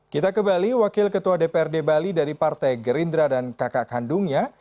kita ke bali wakil ketua dprd bali dari partai gerindra dan kakak kandungnya